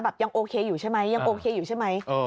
ยังโอเคอยู่ใช่ไหมยังโอเคอยู่ใช่ไหม